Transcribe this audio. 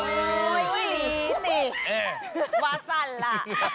โอ้ยไม่ดีนี่ว่าสั่นล่ะ